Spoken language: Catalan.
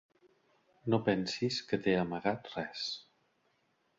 No pensis que t'he amagat res.